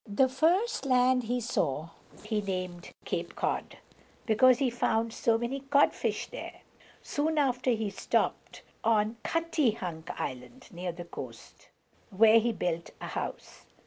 The first land he saw he named Cape Cod, because he found so many codfish there. Soon after he stopped on Cut´ty hunk Island, near the coast, where he built a house.